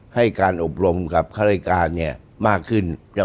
ให้การอบรมกับข้ารายการเนี่ยมากขึ้น